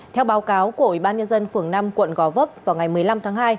theo báo cáo của ủy ban nhân dân phường năm quận gò vấp vào ngày một mươi năm tháng hai